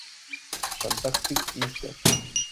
Fantastic Mr.